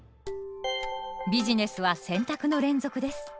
ビジネスは選択の連続です。